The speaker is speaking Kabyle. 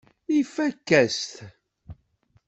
Ifakk-as-t.